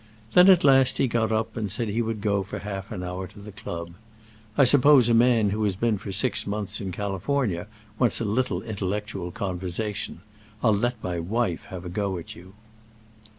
Then at last he got up and said he would go for half an hour to the club. "I suppose a man who has been for six months in California wants a little intellectual conversation. I'll let my wife have a go at you."